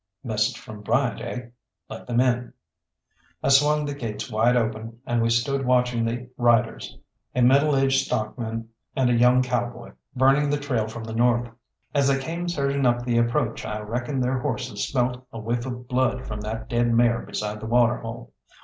"Message from Bryant, eh? Let them in." I swung the gates wide open, and we stood watching the riders a middle aged stockman and a young cowboy, burning the trail from the north. As they came surging up the approach I reckon their horses smelt a whiff of blood from that dead mare beside the water hole.